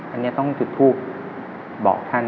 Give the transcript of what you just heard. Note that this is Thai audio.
อันนี้ต้องจุดทูปบอกท่าน